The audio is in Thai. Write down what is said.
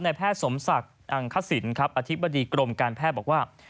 ในแพทย์สมศักดิ์คศิลป์อธิบดีกรมการแพทย์บอกว่า